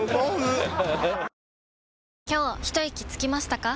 今日ひといきつきましたか？